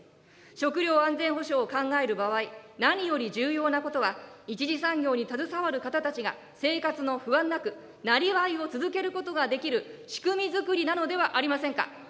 食料安全保障を考える場合、何より重要なことは、１次産業に携わる方たちが、生活の不安なく、なりわいを続けることができる仕組みづくりなのではありませんか。